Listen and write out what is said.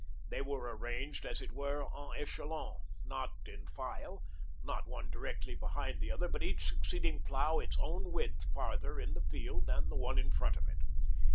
They were arranged, as it were, en echelon, not in file not one directly behind the other, but each succeeding plough its own width farther in the field than the one in front of it.